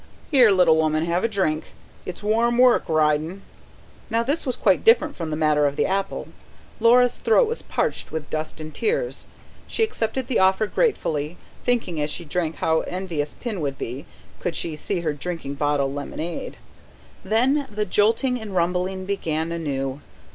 "Here, little woman, have a drink. It's warm work ridin'." Now this was quite different from the matter of the apple. Laura's throat was parched with dust and tears. She accepted the offer gratefully, thinking as she drank how envious Pin would be, could she see her drinking bottle lemonade. Then the jolting and rumbling began anew.